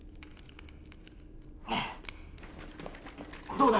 どうだ？